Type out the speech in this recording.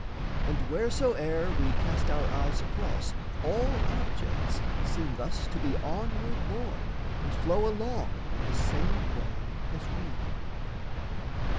And wheresoe'er We cast our eyes across, all objects seem Thus to be onward borne and flow along In the same way as we.